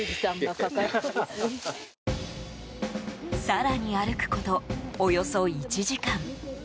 更に歩くこと、およそ１時間。